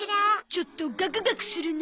ちょっとガクガクするね。